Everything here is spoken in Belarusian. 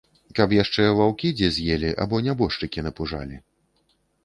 Каб яшчэ ваўкі дзе з'елі або нябожчыкі напужалі.